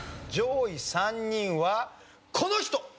上位３人はこの人！